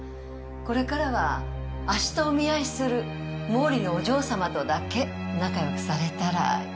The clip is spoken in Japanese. これからは明日お見合いする毛利のお嬢様とだけ仲良くされたらよろしいかと。